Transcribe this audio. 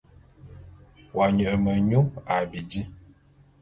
Wo nye menyu a bidi.